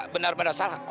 dia yang benar benar salah